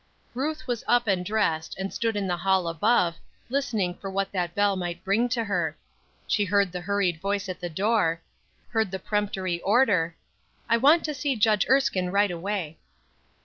Ruth was up and dressed, and stood in the hall above, listening for what that bell might bring to her. She heard the hurried voice at the door; heard the peremptory order: "I want to see Judge Erskine right away."